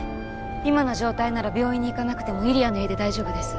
今の状態なら病院に行かなくてもイリアの家で大丈夫です